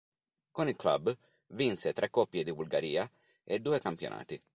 Con il club vinse tre coppie di Bulgaria e due campionati.